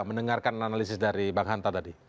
mendengarkan analisis dari bang hanta tadi